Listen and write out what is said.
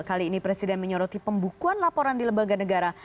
kali ini presiden menyoroti pembukuan laporan di lembaga negara